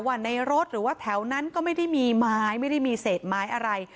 ว่าในรถหรือว่าแถวนั้นก็ไม่ได้มีไม้ไม่ได้มีเศษไม้อะไร